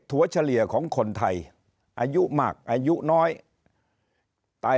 เฉลี่ยของคนไทยอายุมากอายุน้อยตาย